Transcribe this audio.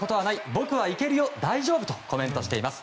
僕はいけるよ大丈夫とコメントしています。